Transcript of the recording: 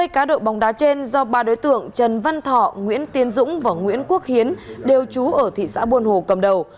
cá đội bóng đá trên do ba đối tượng trần văn thọ nguyễn tiên dũng và nguyễn quốc hiến đều trú ở thị xã bồn hồ cầm đầu